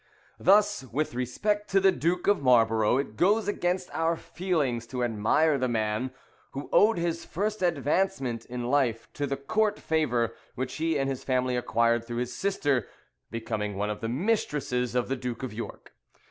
Thus, with respect to the Duke of Marlborough, it goes against our feelings to admire the man, who owed his first advancement in life to the court favour which he and his family acquired through his sister becoming one of the mistresses of the Duke of York.